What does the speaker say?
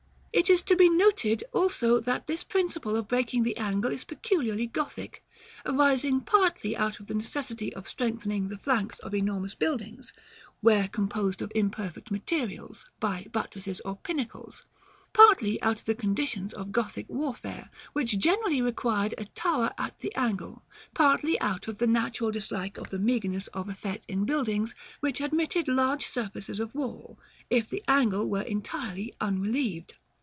It is to be noted also that this principle of breaking the angle is peculiarly Gothic, arising partly out of the necessity of strengthening the flanks of enormous buildings, where composed of imperfect materials, by buttresses or pinnacles; partly out of the conditions of Gothic warfare, which generally required a tower at the angle; partly out of the natural dislike of the meagreness of effect in buildings which admitted large surfaces of wall, if the angle were entirely unrelieved.